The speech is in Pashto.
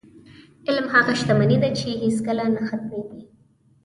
علم هغه شتمني ده، چې هېڅکله نه ختمېږي.